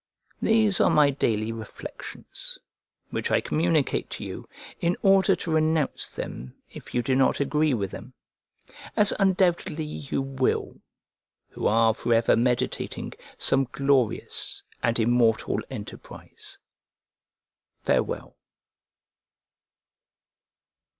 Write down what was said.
These are my daily reflections, which I communicate to you, in order to renounce them if you do not agree with them; as undoubtedly you will, who are for ever meditating some glorious and immortal enterprise. Farewell.